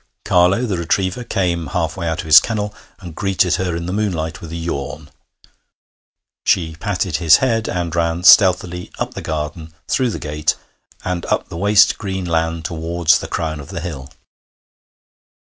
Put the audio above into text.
Carlo, the retriever, came halfway out of his kennel and greeted her in the moonlight with a yawn. She patted his head and ran stealthily up the garden, through the gate, and up the waste green land towards the crown of the hill.